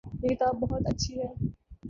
یہ کتاب بہت اچھی ہے